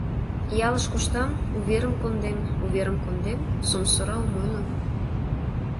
Ялыш коштам — уверым кондем, уверым кондем — сомсора ом ойло.